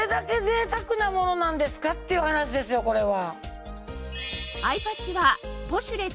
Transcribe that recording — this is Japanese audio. なものなんですかっていう話ですよこれは。